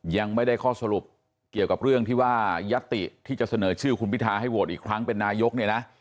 ยังไม่ได้ข้อสรุปเกี่ยวกับเรื่องที่ว่ายัตติที่จะเสนอชื่อคุณพิทาให้โหวตอีกครั้งเป็นนายกเนี่ยนะ